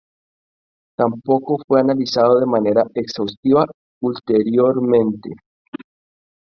Tampoco fue analizado de manera exhaustiva ulteriormente.